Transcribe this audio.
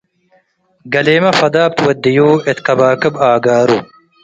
ገሌመ ፈዳብ ትወድዩ - እት ከባክብ ኣጋሩ